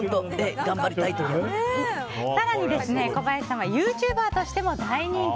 更に小林さんはユーチューバーとしても大人気。